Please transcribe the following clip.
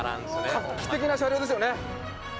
画期的な車両ですよね。